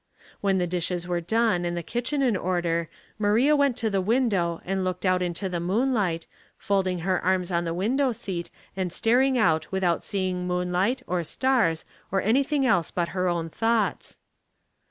When the dishes were done and the kitchen in order Maria went to the window and looked out into the moonlight, folding her arras on the window seat and staring out without see ing moonlight, or stars, or anything else but hei own thouohts.